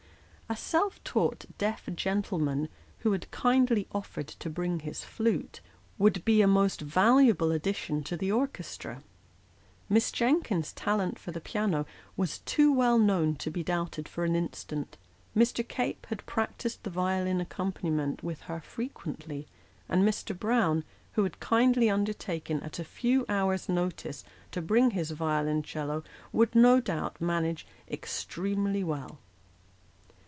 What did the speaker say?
A self taught deaf gentleman, who had kindly offered to bring his flute, would be a most valuable addition to the orchestra ; Miss Jenkins's talent for the piano was too well known to be doubted for an instant ; Mr. Cape had practised the violin accompaniment with her frequently ; and Mr. Brown, who had kindly undertaken, at a few hours' notice, to bring his violoncello, would, no doubt, manage extremely well.